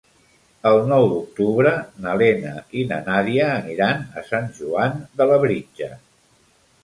El nou d'octubre na Lena i na Nàdia aniran a Sant Joan de Labritja.